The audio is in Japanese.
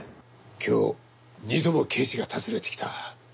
今日二度も刑事が訪ねてきた。